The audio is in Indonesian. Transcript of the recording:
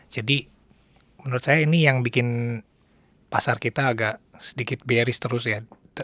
jadi menurut saya ini yang bikin pasar kita agak sedikit bearish terus ya